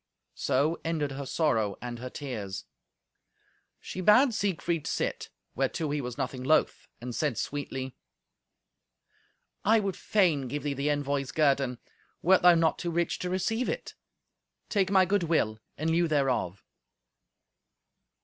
So ended her sorrow and her tears. She bade Siegfried sit, whereto he was nothing loth, and said sweetly, "I would fain give thee the envoy's guerdon, wert thou not too rich to receive it. Take my good will in lieu thereof."